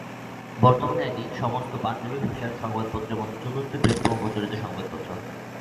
বর্তমানে এটি সমস্ত পাঞ্জাবি ভাষার সংবাদপত্রের মধ্যে চতুর্থ বৃহত্তম প্রচলিত সংবাদপত্র।